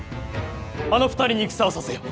あの２人に戦をさせよ。